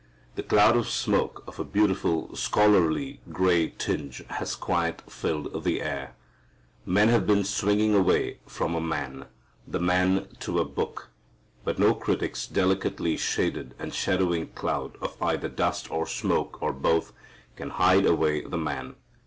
The cloud of smoke of a beautiful scholarly gray tinge has quite filled the air. Men have been swinging away from a man, the Man to a book. But no critic's delicately shaded and shadowing cloud of either dust or smoke, or both, can hide away the Man.